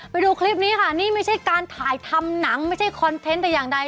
ไปดูคลิปนี้ค่ะนี่ไม่ใช่การถ่ายทำหนังไม่ใช่คอนเทนต์แต่อย่างใด